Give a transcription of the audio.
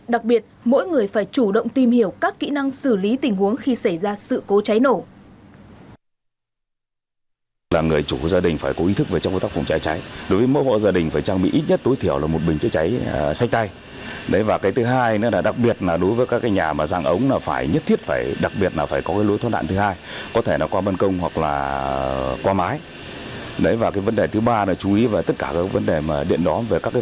đặc biệt mỗi người phải chủ động tìm hiểu các kỹ năng xử lý tình huống khi xảy ra sự cố cháy nổ